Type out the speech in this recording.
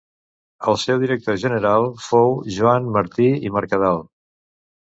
El seu director general fou Joan Martí i Mercadal.